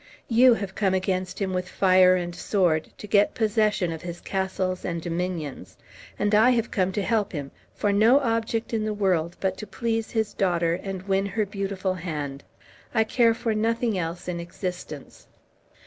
You have come against him with fire and sword, to get possession of his castles and his dominions; and I have come to help him, for no object in the world but to please his daughter and win her beautiful hand. I care for nothing else in existence."